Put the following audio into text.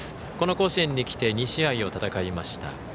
この甲子園にきて２試合を戦いました。